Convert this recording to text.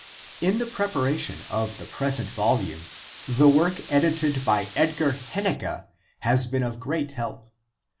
In the preparation of the present volume the work edited by Edgar Hennecke has been of great help.